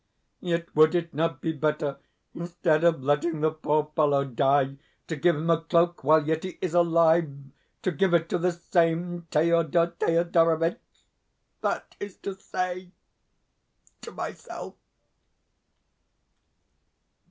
Yet would it not be better, instead of letting the poor fellow die, to give him a cloak while yet he is ALIVE to give it to this same Thedor Thedorovitch (that is to say, to myself)?